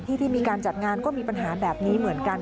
ที่ที่มีการจัดงานก็มีปัญหาแบบนี้เหมือนกัน